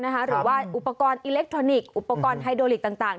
หรือว่าอุปกรณ์อิเล็กทรอนิกส์อุปกรณ์ไฮโดลิกต่าง